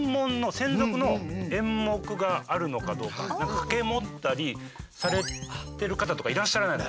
掛け持ったりされてる方とかいらっしゃらないのか